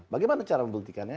bagaimana cara membuktikannya